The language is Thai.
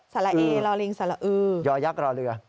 สละเอลอลิงสละอืยอยักรอเรือ